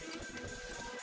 mereka semua sudah berhenti